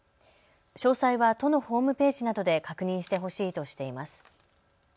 詳細は都のホームページなどで確認してほしいとしています。